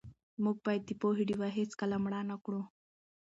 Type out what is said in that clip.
موږ باید د پوهې ډېوه هېڅکله مړه نه کړو.